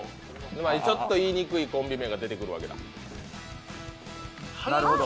ちょっと言いにくいコンビ名が出てくるわけや。